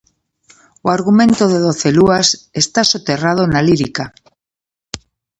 O argumento de Doce lúas está soterrado na lírica.